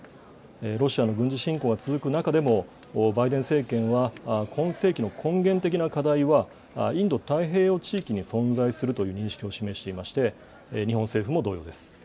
ロシアの軍事侵攻が続く中でも、バイデン政権は今世紀の根源的な課題は、インド太平洋地域に存在するという認識を示していまして、日本政府も同様です。